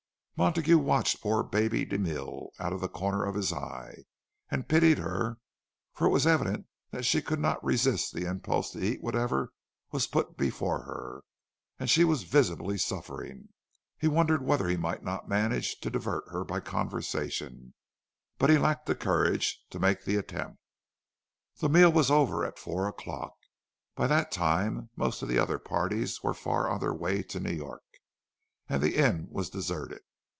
Montague watched poor "Baby" de Mille out of the corner of his eye, and pitied her; for it was evident that she could not resist the impulse to eat whatever was put before her, and she was visibly suffering. He wondered whether he might not manage to divert her by conversation, but he lacked the courage to make the attempt. The meal was over at four o'clock. By that time most of the other parties were far on their way to New York, and the inn was deserted.